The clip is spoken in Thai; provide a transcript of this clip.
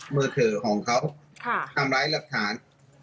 มือถือของเขาทำร้ายหลักฐาน